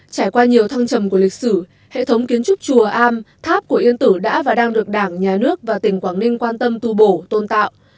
trải qua nhiều thăng trầm của lịch sử hệ thống kiến trúc chùa am tháp của yên tử đã và đang được đảng nhà nước và tỉnh quảng ninh quan tâm tu bổ tôn tạo